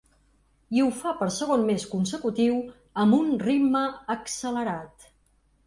I ho fa per segon mes consecutiu amb un ritme accelerat.